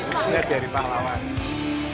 sesuai dari pahlawan